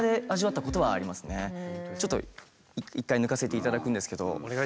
ちょっと一回抜かせていただくんですけど。